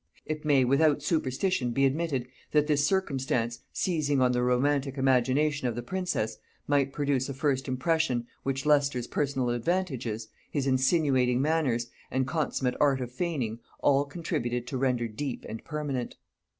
It may without superstition be admitted, that this circumstance, seizing on the romantic imagination of the princess, might produce a first impression, which Leicester's personal advantages, his insinuating manners, and consummate art of feigning, all contributed to render deep and permanent.